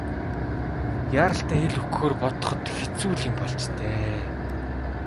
Яаралтай хэл өгөхөөр бодоход хэцүү л юм болж дээ.